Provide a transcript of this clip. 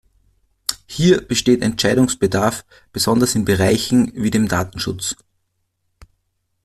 Hier besteht Entscheidungsbedarf, besonders in Bereichen wie dem Datenschutz.